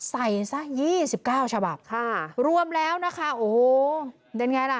ใส่ซะยี่สิบเก้าฉบับค่ะรวมแล้วนะคะโอ้โหเป็นไงล่ะ